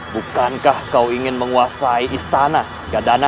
bukankah kau ingin menguasai istana gadana